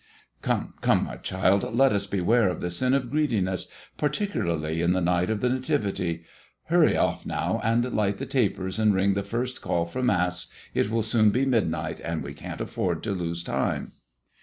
"Come, come, my child, let us beware of the sin of greediness, particularly on the night of the Nativity. Hurry off now and light the tapers, and ring the first call for Mass; it will soon be midnight, and we can't afford to lose time."